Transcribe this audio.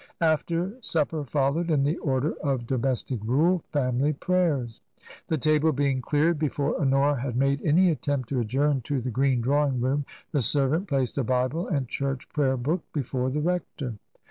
After supper followed, in the order of domestic rule, family prayers. The table being cleared, before Honora had made any attempt to adjourn to the green drawing room, the servant placed a Bible and church prayer book before the rector.